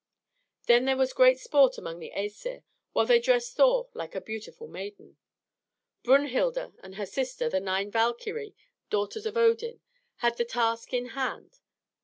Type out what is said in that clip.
Then there was great sport among the Æsir, while they dressed Thor like a beautiful maiden. Brunhilde and her sisters, the nine Valkyrie, daughters of Odin, had the task in hand.